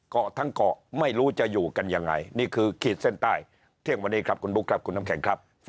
เกาะทั้งเกาะไม่รู้จะอยู่กันยังไงนี่คือขีดเส้นใต้เที่ยงวันนี้ครับคุณบุ๊คครับคุณน้ำแข็งครับ